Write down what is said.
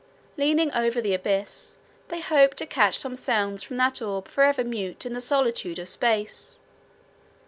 Leaning over the abyss, they hoped to catch some sounds from that orb forever mute in the solitude of space.